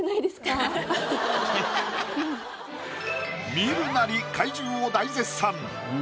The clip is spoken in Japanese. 見るなり怪獣を大絶賛。